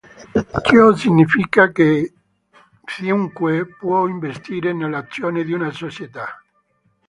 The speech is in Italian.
Ciò significa che chiunque può investire nell'azioni di una società.